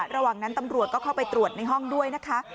ระหว่างนั้นตำรวจก็เข้าไปตรวจในห้องด้วยนะคะ